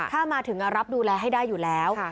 ถ้ามาถึงรับดูแลให้ได้อยู่แล้ว